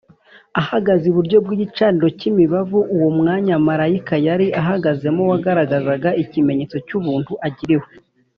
‘‘ahagaze iburyo bw’igicaniro cy’imibavu,’’ uwo mwanya marayika yari ahagazemo wagaragazaga ikimenyetso cy’ubuntu agiriwe